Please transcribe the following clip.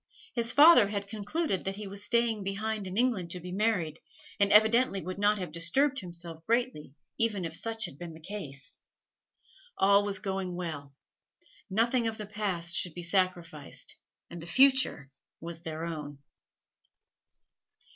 His father had concluded that he was staying behind in England to be married, and evidently would not have disturbed himself greatly even if such had been the case. All was going well. Nothing of the past should be sacrificed, and the future was their own.